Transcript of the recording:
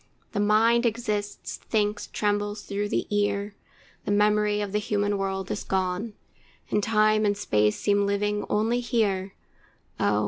The mind exists, thinks, trembles through the ear, The memory of the human world is gone, And time and space seem living only here. Oh!